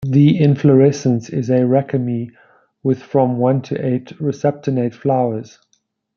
The inflorescence is a raceme with from one to eight resupinate flowers.